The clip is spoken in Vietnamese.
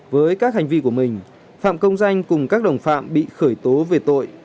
với các hành vi của mình phạm công danh cùng các đồng phạm bị khởi tố về tội